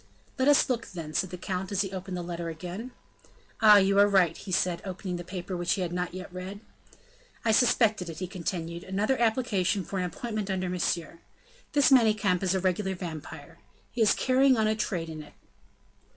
"Let us look, then," said the count, as he opened the letter again. "Ah! you are right," he said opening the paper which he had not yet read. "I suspected it," he continued "another application for an appointment under Monsieur. This Manicamp is a regular vampire: he is carrying on a trade in it."